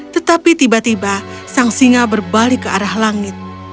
tetapi tiba tiba sang singa berbalik ke arah langit